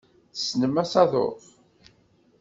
Tessnem asaḍuf.